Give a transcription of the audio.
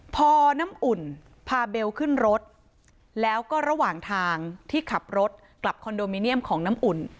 พอน้ำอุ่นพาเบลขึ้นรถแล้วก็ระหว่างทางที่ขับรถกลับคอนโดมิเนียมของน้ำอุ่น